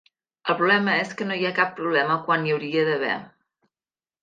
El problema és que no hi ha cap problema quan n'hi hauria d'haver.